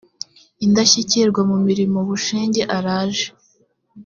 indashyikirwa ku murimo bushenge araje